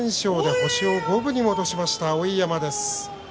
星を五分に戻しました碧山です。